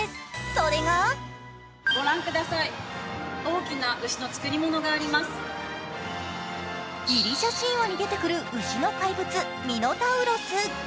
それがギリシャ神話に出てくる牛の怪物、ミノタウロス。